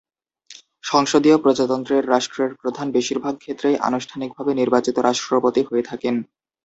সংসদীয় প্রজাতন্ত্রের রাষ্ট্রের প্রধান বেশিরভাগ ক্ষেত্রেই আনুষ্ঠানিকভাবে নির্বাচিত রাষ্ট্রপতি হয়ে থাকেন।